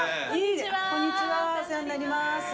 こんにちはお世話になります。